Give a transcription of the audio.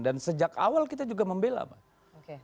dan sejak awal kita juga membela pak